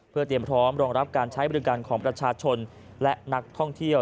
เพื่อเตรียมพร้อมรองรับการใช้บริการของประชาชนและนักท่องเที่ยว